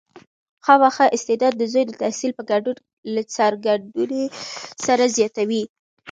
خامخا استعداد د زوی د تحصیل په ګډون له څرګندونې سره زیاتوي.